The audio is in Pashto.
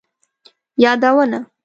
یادونه